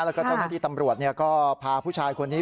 แล้วก็เจ้าหน้าที่ตำรวจก็พาผู้ชายคนนี้